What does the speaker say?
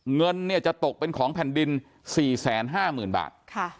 เงินจะตกเป็นของแผ่นดิน๔๕๐๐๐บาท